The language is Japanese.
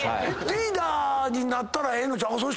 リーダーになったらええのちゃう？